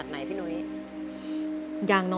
กินข้าวนำกัน